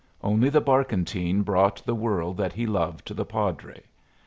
Only the barkentine brought the world that he loved to the padre.